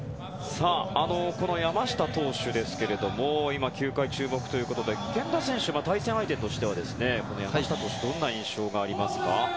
この山下投手ですが今、球界注目ということで源田選手、対戦相手としては山下投手はどんな印象がありますか？